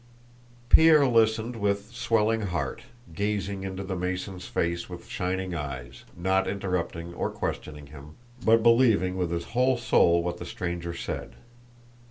Pierre listened with swelling heart, gazing into the Mason's face with shining eyes, not interrupting or questioning him, but believing with his whole soul what the stranger said.